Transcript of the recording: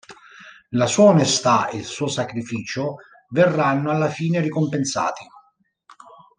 La sua onestà e il suo sacrificio verranno alla fine ricompensati.